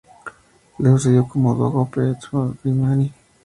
Le sucedió como dogo Pietro Grimani.